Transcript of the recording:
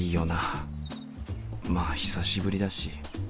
まあ久しぶりだし。